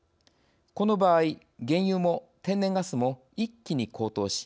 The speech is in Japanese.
この場合原油も天然ガスも一気に高騰し